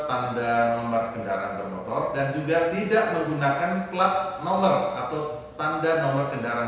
tanda nomor kendaraan bermotor dan juga tidak menggunakan plat nomor atau tanda nomor kendaraan